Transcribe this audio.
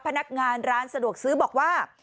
พนักงานร้านสะดวกซื้อบอกว่า